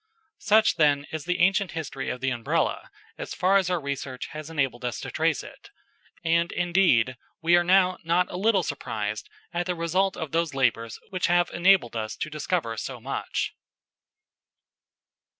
Such, then, is the ancient history of the Umbrella, as far as our research has enabled us to trace it, and, indeed, we are now not a little surprised at the result of those labours which have enabled us to discover so much.